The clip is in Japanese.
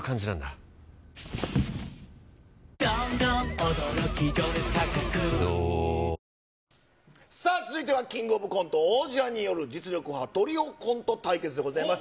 負けるのは嫌なんで、やっぱさあ、続いてはキングオブコント王者による実力派トリオコント対決でございます。